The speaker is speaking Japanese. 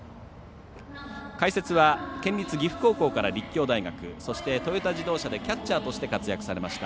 解説は県立岐阜高校から立教大学そして、トヨタ自動車でキャッチャーとして活躍されました